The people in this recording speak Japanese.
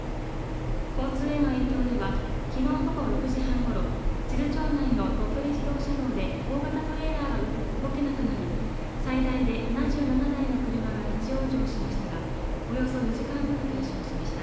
交通への影響ではきのう午後６時半ごろ智頭町内の鳥取自動車道で大型トレーラーが動けなくなり最大で７７台の車が立往生しましたがおよそ４時間後に解消しました。